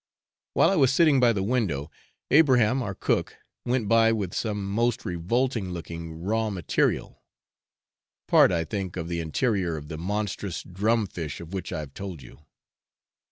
While I was sitting by the window, Abraham, our cook, went by with some most revolting looking 'raw material' (part I think of the interior of the monstrous drum fish of which I have told you).